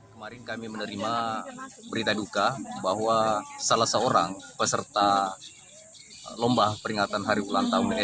kemarin kami menerima berita duka bahwa salah seorang peserta lomba peringatan hari ulang tahun tni